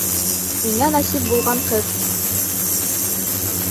Миңә насип булған ҡыҙ!..